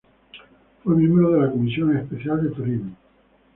Fue miembro de la Comisión Especial de Turismo.